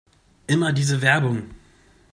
Immer diese Werbung!